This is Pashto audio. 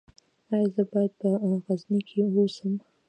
ایا زه باید په غزني کې اوسم؟